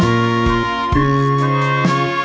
สวัสดีครับ